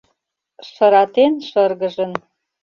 Шыратен — шыргыжын.